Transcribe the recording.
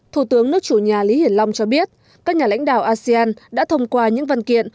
thủ tướng nước chủ nhà lý hiển long cho biết các nhà lãnh đạo asean đã thông qua những văn kiện